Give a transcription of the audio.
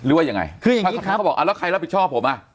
หรือว่ายังไงคือทางลูกค้าเขาบอกอ่าแล้วใครรับผิดชอบผมอ่ะ